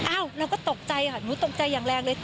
เราก็ตกใจค่ะหนูตกใจอย่างแรงเลย